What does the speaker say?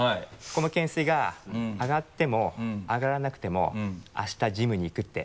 この懸垂が上がっても上がらなくてもあしたジムに行くって。